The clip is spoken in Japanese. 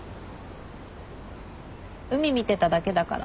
海見てただけだから。